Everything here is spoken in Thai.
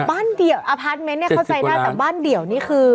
บ้านเดียวอภัทรเมนเนี่ยเขาใส่หน้าแต่บ้านเดียวนี่คือ